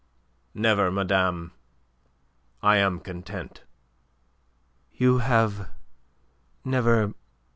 "Never, madame. I am content." "You have never...